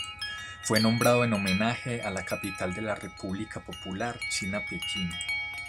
Fue nombrado en homenaje a la capital de la República Popular China Pekín.